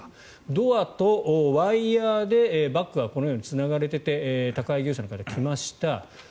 ドアとワイヤでバッグがこのようにつながれていて宅配業者の方が来ました。